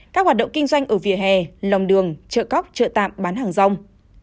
các hoạt động kinh doanh ở vỉa hè lòng đường chợ cóc chợ tạm bán hàng rong